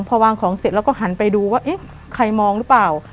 พอวางของเสร็จแล้วก็หันไปดูว่าเอ๊ะใครมองหรือเปล่า